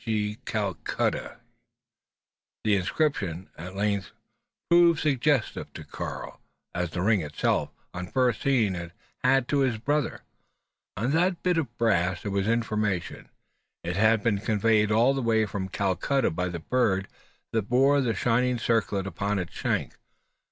B.G., Calcutta_. The inscription at length proved suggestive to Caspar, as the ring itself, on first seeing it, had to his brother. On that bit of brass there was information. It had been conveyed all the way from Calcutta by the bird that bore the shining circlet upon its shank.